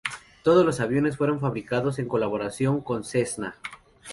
Todos los aviones fueron fabricados en colaboración con Cessna.